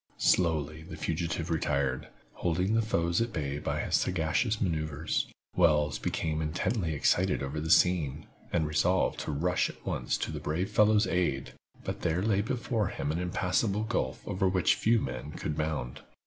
Slowly the fugitive retired, holding his foes at bay by his sagacious maneuvers. Wells became intensely excited over the scene, and resolved to rush at once to the brave fellow's aid, but there lay before him the impassable gulf over which few men could bound.